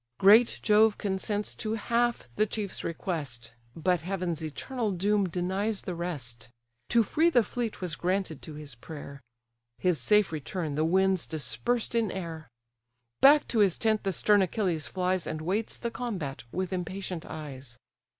Great Jove consents to half the chief's request, But heaven's eternal doom denies the rest; To free the fleet was granted to his prayer; His safe return, the winds dispersed in air. Back to his tent the stern Achilles flies, And waits the combat with impatient eyes.